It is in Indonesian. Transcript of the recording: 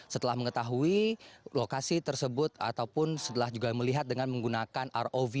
setelah mengetahui lokasi tersebut ataupun setelah juga melihat dengan menggunakan rov